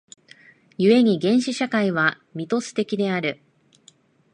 故に原始社会はミトス的である。